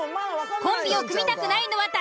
コンビを組みたくないのは誰？